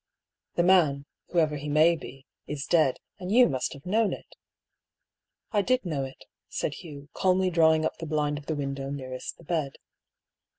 " The man, whoever he may be, is dead, and you must have known it." " I did know it," said Hugh, calmly drawing up the blind of the window nearest the bed.